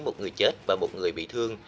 một người chết và một người bị thương